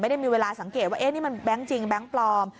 ได้มีเวลาสังเกตว่านี่มันแบงค์จริงแบงค์ปลอม